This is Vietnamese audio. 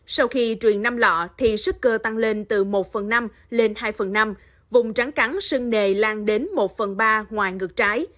sau khi truyền năm lọ thì sức cơ tăng lên từ một phần năm lên hai phần năm vùng trắn cắn sưng nề lan đến một phần ba ngoài ngược trái